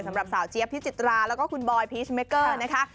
สำหรับสาวเจี๊ยบพิจิตราแล้วก็คุณบอยพีชเมเกอร์นะคะ